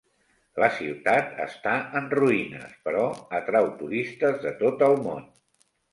La ciutat està en ruïnes, però atrau turistes de tot el món.